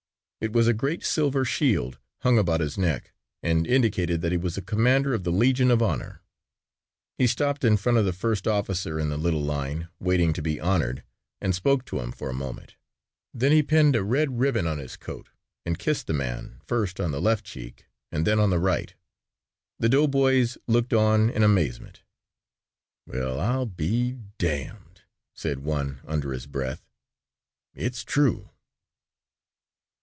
It was a great silver shield hung about his neck and indicated that he was a commander of the Legion of Honor. He stopped in front of the first officer in the little line waiting to be honored and spoke to him for a moment. Then he pinned a red ribbon on his coat and kissed the man first on the left cheek and then on the right. The doughboys looked on in amazement. "Well, I'll be damned," said one under his breath, "it's true."